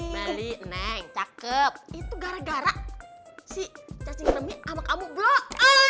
melih neng cakep itu gara gara si cacing kremi sama kamu blo on